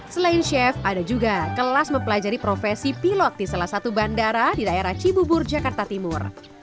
selain chef ada juga kelas mempelajari profesi pilot di salah satu bandara di daerah cibubur jakarta timur